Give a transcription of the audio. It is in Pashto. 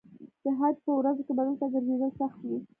د حج په ورځو کې به دلته ګرځېدل سخت وي.